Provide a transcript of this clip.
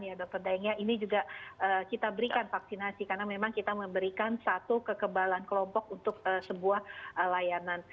ya dokter daeng ya ini juga kita berikan vaksinasi karena memang kita memberikan satu kekebalan kelompok untuk sebuah layanan